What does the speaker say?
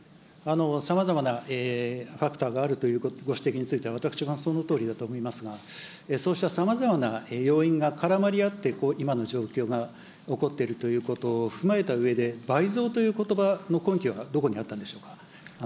さまざまなファクターがあるというご指摘については、私もそのとおりだと思いますが、そうしたさまざまな要因が絡まり合って、今の状況が起こっているということを踏まえたうえで、倍増ということばの根拠はどこにあったんでしょうか。